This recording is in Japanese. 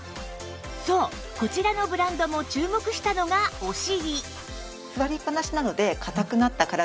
そうこちらのブランドも注目したのがお尻